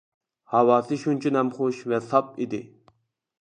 ھاۋاسى شۇنچە نەمخۇش ۋە ساپ ئىدى.